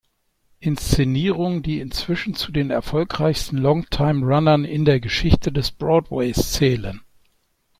Inszenierungen, die inzwischen zu den erfolgreichsten Long-Time-Runnern in der Geschichte des Broadways zählen.